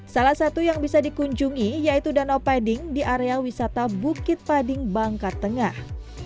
salah satu yang bisa dikunjungi yaitu danau pading di area wisata bukit pading bangka tengah